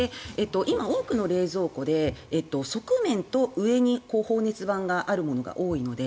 今、多くの冷蔵庫で側面と上に放熱板があるものが多いので。